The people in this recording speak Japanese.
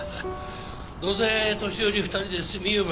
どうせ年寄り２人で住みゆば